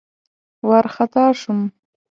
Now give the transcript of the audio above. وارخطا شوم.